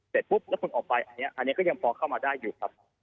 เสร็จปุ๊บแล้วคุณออกไปอันนี้ก็ยังพอเข้ามาได้อยู่ครับ